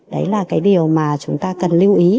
đấy là cái điều mà chúng ta cần lưu ý